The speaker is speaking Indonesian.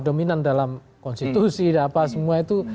dominan dalam konstitusi dan apa semua itu